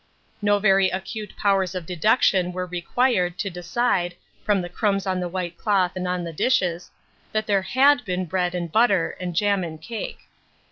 No very acute powers of deduction were required to decide, from the crumbs on the white cloth and on the dishes, that there had been bread and butter and jam and cake.